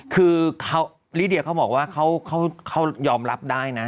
คือลิเดียเขาบอกว่าเขายอมรับได้นะ